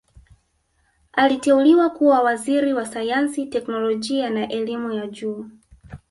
aliteuliwa kuwa Waziri wa sayansi teknolojia na elimu ya juu